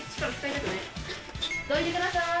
どいてくださーい。